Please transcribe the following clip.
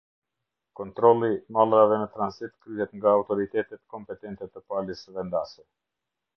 Kontioili mallrave në transit kryhet nga autoritetet kompetente të palës vendase.